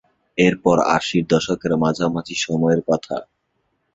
এরপর আশির দশকের মাঝামাঝি সময়ের কথা।